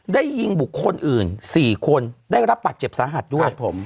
ยิงบุคคลอื่น๔คนได้รับบาดเจ็บสาหัสด้วย